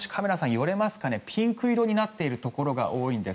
寄れますかねピンク色になっているところが多いんです。